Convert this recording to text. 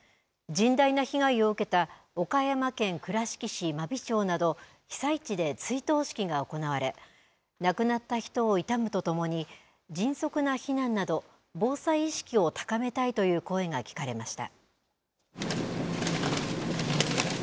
甚大な被害を受けた岡山県倉敷市まび町など被災地で追悼式が行われ亡くなった人を悼むとともに迅速な避難など防災意識を高めたいという声が聞かれました。